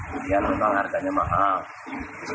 kemudian memang harganya mahal